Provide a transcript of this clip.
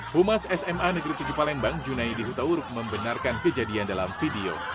humas sma negeri tujuh palembang junaidi hutauruk membenarkan kejadian dalam video